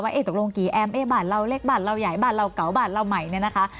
ว่าตกลงกี่แอมเอบาทเราเล็กบาทเราใหญ่บาทเราเกาบาทเราใหม่เนี่ยนะคะ